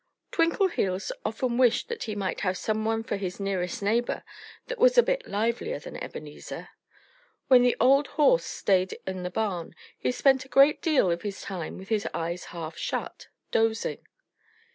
Twinkleheels often wished that he might have someone for his nearest neighbor that was a bit livelier than Ebenezer. When the old horse stayed in the barn he spent a great deal of his time with his eyes half shut, dozing.